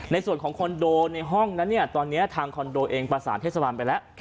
ในส่วนของคอนโดในห้องนั้นเนี่ยตอนนี้ทางคอนโดเองประสานเทศบาลไปแล้ว